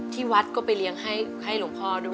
ที่วัดก็ไปเลี้ยงให้หลวงพ่อด้วย